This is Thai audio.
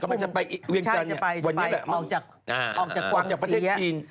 เขาบอกว่ามีกลุ่มใช่จะไปออกจากกวางศรี